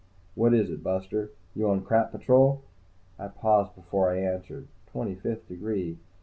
"What is it, buster? You on Crap Patrol?" I paused before I answered. Twenty fifth degree?